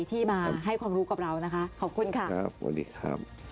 ที่มาให้ความรู้กับเรานะคะขอบคุณค่ะครับสวัสดีครับ